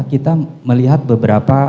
kita melihat beberapa